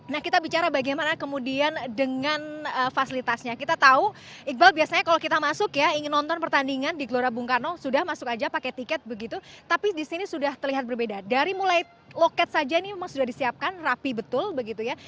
nah kita bicara bagaimana kemudian dengan fasilitasnya kita tahu iqbal biasanya kalau kita masuk ya ingin nonton pertandingan di gelora bung karno sudah masuk aja pakai tiket begitu tapi disini sudah terlihat berbeda dari mulai loket saja ini memang sudah disiapkan rapi betul begitu ya